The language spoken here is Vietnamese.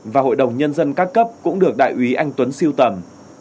và hội đồng nhân dân các cấp cũng được đại úy anh tuấn siêu tầm